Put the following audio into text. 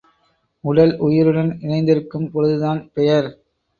உடல் உயிருடன் இணைந்திருக்கும் பொழுதுதான் பெயர்.